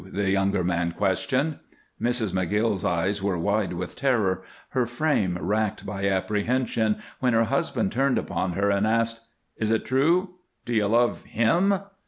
the younger man questioned. Mrs. McGill's eyes were wide with terror, her frame racked by apprehension, when her husband turned upon her and asked: "Is it true? Do you love him?"